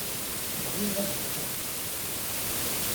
Bɣiɣ ad tteɣ.